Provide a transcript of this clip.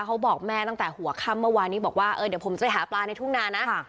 เขาบอกแม่ตั้งแต่หัวค่ำเมื่อวานนี้บอกว่าเออเดี๋ยวผมจะไปหาปลาในทุ่งนานะ